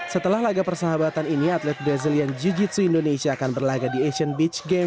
setelah laga persahabatan ini atlet brazilian jiu jitsu indonesia akan berlaga di asian beach games